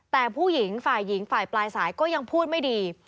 แต่ผู้หญิงฝ่ายหญิงฝ่ายปลายสายก็ยังพูดไม่ดี